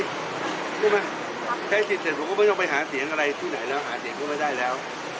ใช่ไหมใช้สิทธิ์เสร็จผมก็ไม่ต้องไปหาเสียงอะไรที่ไหนแล้วหาเสียงก็ไม่ได้แล้ว